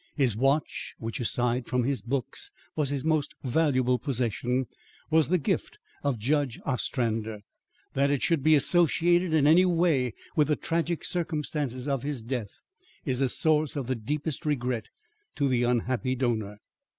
His watch, which aside from his books was his most valuable possession, was the gift of Judge Ostrander. That it should be associated in any way with the tragic circumstances of his death is a source of the deepest regret to the unhappy donor."